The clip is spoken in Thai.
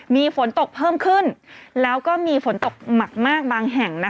มีฝนตกเพิ่มขึ้นแล้วก็มีฝนตกหนักมากบางแห่ง